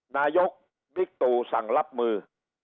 นายกบิ๊กตู่สั่งรับมือ